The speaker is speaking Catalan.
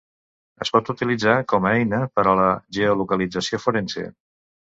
Es pot utilitzar com a eina per a la geolocalització forense.